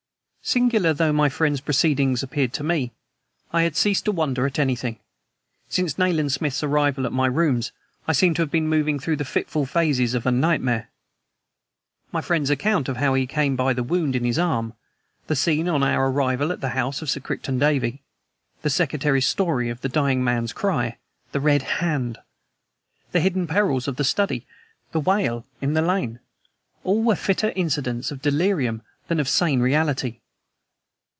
Singular though my friend's proceedings appeared to me, I had ceased to wonder at anything. Since Nayland Smith's arrival at my rooms I seemed to have been moving through the fitful phases of a nightmare. My friend's account of how he came by the wound in his arm; the scene on our arrival at the house of Sir Crichton Davey; the secretary's story of the dying man's cry, "The red hand!"; the hidden perils of the study; the wail in the lane all were fitter incidents of delirium than of sane reality.